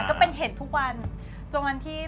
ก็เป็นเห็นทุกวัน